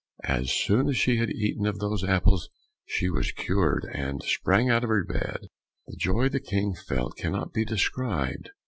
As soon as she had eaten of those apples, she was cured, and sprang out of her bed. The joy the King felt cannot be described!